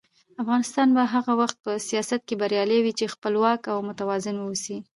افغانستان به هغه وخت په سیاست کې بریالی وي چې خپلواک او متوازن واوسي.